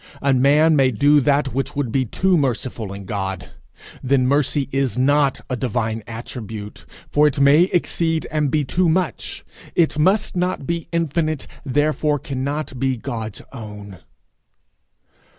A man may do that which would be too merciful in God! Then mercy is not a divine attribute, for it may exceed and be too much; it must not be infinite, therefore cannot be God's own.